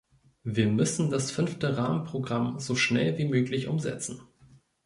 Wir müssen das Fünfte Rahmenprogramm so schnell wie möglich umsetzen.